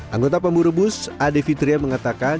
anggota pemburu bus ade fitria mengatakan